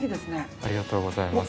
ありがとうございます。